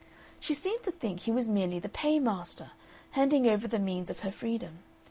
She seemed to think he was merely the paymaster, handing over the means of her freedom.